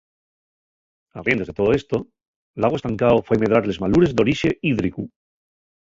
Arriendes de too esto, l'agua estancao fai medrar les malures d'orixe hídricu.